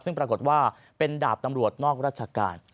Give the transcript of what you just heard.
ซึ่งปรากฏว่าเป็นดาบตำรวจนอกราชการ